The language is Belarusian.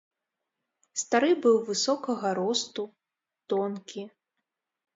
Стары быў высокага росту, тонкі.